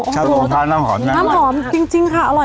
จริงค่ะอร่อยอร่อย